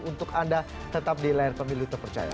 untuk anda tetap di layar pemilu terpercaya